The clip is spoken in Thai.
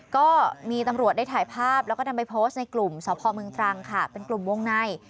ก็มีตำรวจได้ถ่ายภาพแล้วก็นำไปโพสต์ในกลุ่มสพเมืองตรังค่ะเป็นกลุ่มวงใน